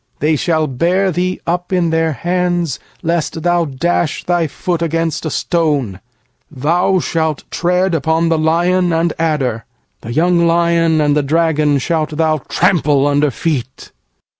12They shall bear thee upon their hands, Lest thou dash thy foot against a stone. 13Thou shalt tread upon the lion and asp; The young lion and the serpent shalt thou trample under feet.